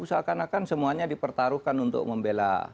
seakan akan semuanya dipertaruhkan untuk membela